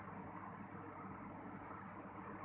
แต่ว่าจะเป็นแบบนี้